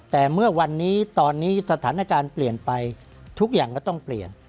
แต่เมื่อวันนี้ตอนนี้สถานการณ์เปลี่ยนไปทุกอย่างก็ต้องเปลี่ยน